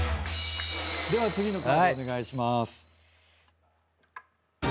では次のカードお願いします。